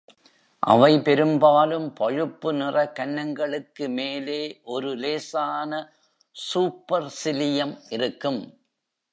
அவை பெரும்பாலும் பழுப்பு நிற கன்னங்களுக்கு மேலே ஒரு லேசான சூப்பர்சிலியம் இருக்கும்.